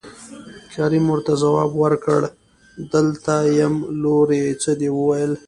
کريم ورته ځواب ورکړ دلته يم لورې څه دې وويل.